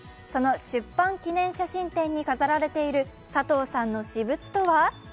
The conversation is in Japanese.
その出版記念写真展に飾られている佐藤さんの私物とは？